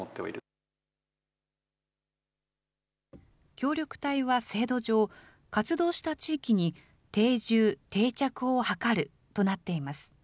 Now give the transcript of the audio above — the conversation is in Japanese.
協力隊は制度上、活動した地域に定住・定着を図るとなっています。